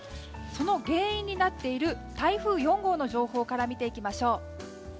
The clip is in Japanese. その原因になっている台風４号の情報から見ていきましょう。